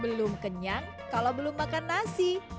belum kenyang kalau belum makan nasi